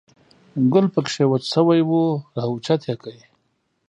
ګل په کې وچ شوی و، را اوچت یې کړ.